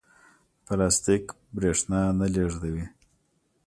پلاستیک برېښنا نه لېږدوي.